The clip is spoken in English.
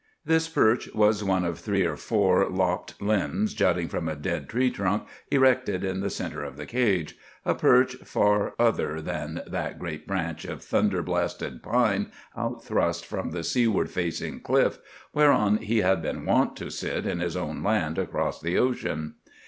This perch was one of three or four lopped limbs jutting from a dead tree trunk erected in the centre of the cage—a perch far other than that great branch of thunder blasted pine, out thrust from the seaward facing cliff, whereon he had been wont to sit in his own land across the ocean.